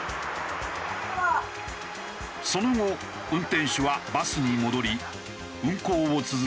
その後運転手はバスに戻り運行を続けたという。